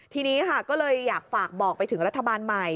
ทีนี้ค่ะก็เลยอยากฝากบอกไปถึงรัฐบาลใหม่